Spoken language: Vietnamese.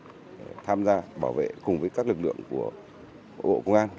tham gia bảo vệ cùng với các lực lượng của bộ công an